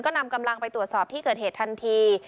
ก็นำกำลังไปตรวจสอบที่เกิดเหตุทันที